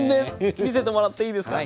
見せてもらっていいですか？